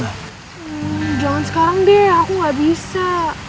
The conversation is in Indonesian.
jangan sekarang deh aku gak bisa